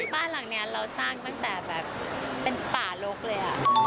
บ้านหลังนี้เราสร้างตั้งแต่แบบเป็นป่าลกเลย